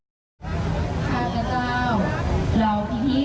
ที่วงวงสวมสการา